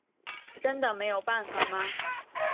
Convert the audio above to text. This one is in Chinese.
真的没有办法吗？